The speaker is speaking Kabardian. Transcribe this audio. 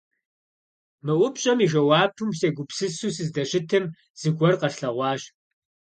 Мы упщӀэм и жэуапым сегупсысу сыздэщытым, зыгуэр къэслъэгъуащ.